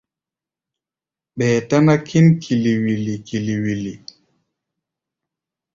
Ɓɛɛ táná kín kili-wili kili-wili.